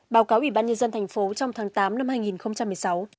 báo cáo ủy ban nhân dân thành phố trong tháng tám năm hai nghìn một mươi sáu